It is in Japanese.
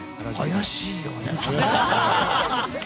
怪しいよね。